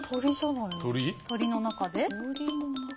鳥の中で？